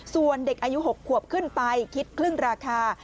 ส่วนเด็กอายุ๖ขวบขึ้นไปคิดครึ่งราคา